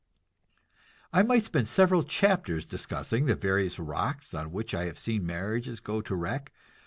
I might spend several chapters discussing the various rocks on which I have seen marriages go to wreck.